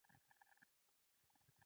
هوا د افغانستان د اجتماعي جوړښت برخه ده.